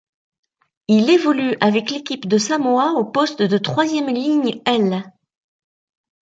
Il évolue avec l'équipe de Samoa au poste de troisième ligne aile.